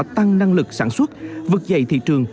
tăng năng lực sản xuất vực dậy thị trường